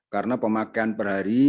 karena pemakaian per hari